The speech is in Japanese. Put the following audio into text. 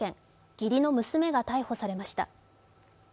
義理の娘が逮捕されました。